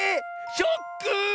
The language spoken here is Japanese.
ショック！